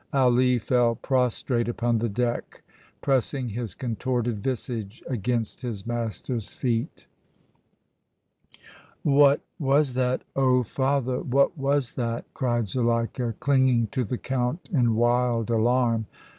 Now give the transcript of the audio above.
Ali fell prostrate upon the deck, pressing his contorted visage against his master's feet. "What was that, oh! father, what was that?" cried Zuleika, clinging to the Count in wild alarm.